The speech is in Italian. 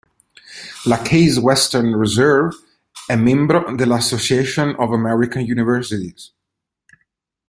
La Case Western Reserve è membro della Association of American Universities.